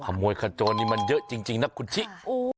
ขมวยขจรนี่มันเยอะจริงจริงนะคุณชิค่ะโอ้